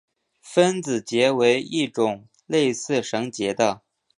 分子结为一种类似绳结的。